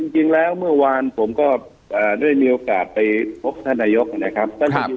จริงแล้วเมื่อวานผมก็ได้มีโอกาสไปพบท่านนายกนะครับ